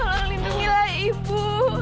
tolong lindungilah ibu